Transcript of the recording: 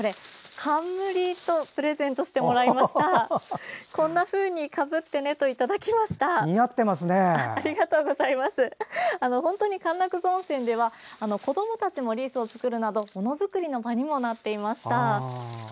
かんなくず温泉では子どもたちもリースを作るなどものづくりの場にもなっていました。